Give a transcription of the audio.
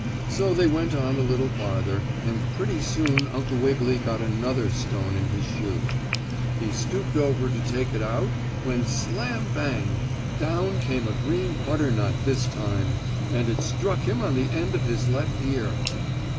So they went on a little farther, and pretty soon Uncle Wiggily got another stone in his shoe. He stooped over to take it out when slam bang! down came a green butternut this time, and it struck him on the end of his left ear.